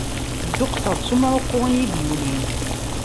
Dduqseɣ-d s umɛuqqu iyi-d-yulin.